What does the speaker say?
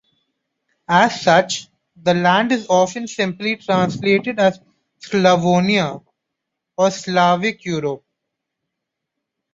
As such, the land is often simply translated as "Slavonia", or Slavic Europe.